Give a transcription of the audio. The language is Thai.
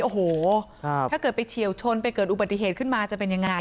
โอ้โหถ้าเกิดไปเฉียวชนไปเกิดอุบัติเหตุขึ้นมาจะเป็นยังไง